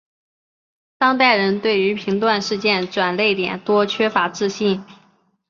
当代人对于评断事件转捩点多缺乏自信。